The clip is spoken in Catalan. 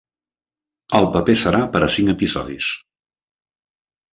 El paper serà per a cinc episodis.